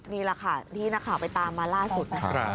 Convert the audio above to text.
นี่แหละค่ะที่นักข่าวไปตามมาล่าสุดนะคะ